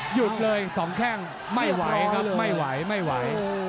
หยุดเลยสองแข้งไม่ไหวครับไม่ไหวไม่ไหว